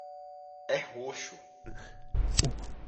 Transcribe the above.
É roxo.